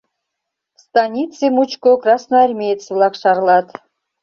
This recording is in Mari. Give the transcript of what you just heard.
Станице мучко красноармеец-влак шарлат.